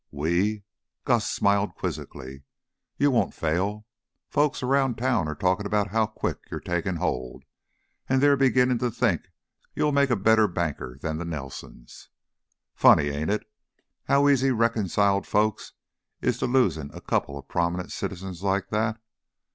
"We?" Gus smiled quizzically. "You won't fail. Folks around town are talkin' about how quick you're takin' hold, an' they're beginning to think you'll make a better banker than the Nelsons. Funny, ain't it, how easy reconciled folks is to losin' a coupla prominent citizens like that?